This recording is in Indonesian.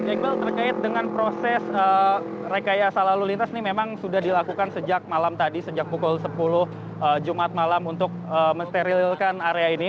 iqbal terkait dengan proses rekayasa lalu lintas ini memang sudah dilakukan sejak malam tadi sejak pukul sepuluh jumat malam untuk mensterilkan area ini